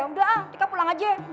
udah tika pulang aja